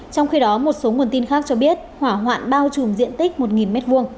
trong khi đó một số nguồn tin khác cho biết hỏa hoạn bao trùm diện tích một m hai